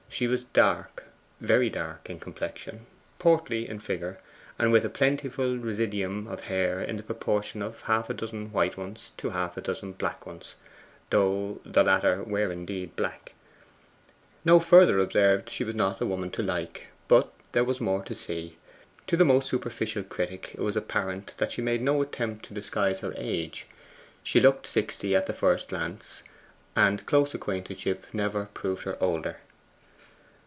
She was dark very dark in complexion, portly in figure, and with a plentiful residuum of hair in the proportion of half a dozen white ones to half a dozen black ones, though the latter were black indeed. No further observed, she was not a woman to like. But there was more to see. To the most superficial critic it was apparent that she made no attempt to disguise her age. She looked sixty at the first glance, and close acquaintanceship never proved her older.